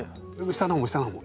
下の方も下の方も。